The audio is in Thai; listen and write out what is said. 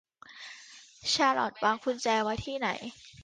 ชาลอตวางกุญแจไว้ที่ไหน